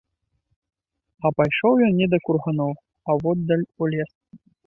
А пайшоў ён не да курганоў, а воддаль у лес.